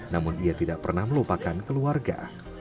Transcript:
namun ia tidak pernah melupakan keluarga